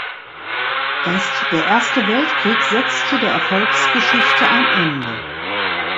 Erst der Erste Weltkrieg setzte der Erfolgsgeschichte ein Ende.